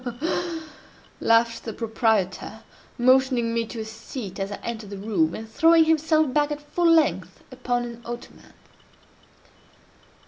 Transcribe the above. "Ha! ha! ha!—ha! ha! ha!"—laughed the proprietor, motioning me to a seat as I entered the room, and throwing himself back at full length upon an ottoman.